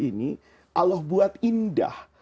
ini allah buat indah